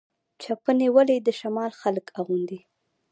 چپنې ولې د شمال خلک اغوندي؟